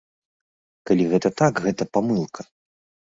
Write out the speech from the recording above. Калі гэта так, гэта памылка.